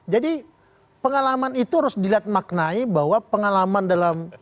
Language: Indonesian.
jadi pengalaman itu harus dilihat maknai bahwa pengalaman dalam